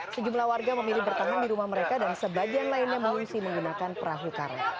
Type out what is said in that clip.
sejumlah warga memilih bertahan di rumah mereka dan sebagian lainnya mengungsi menggunakan perahu karet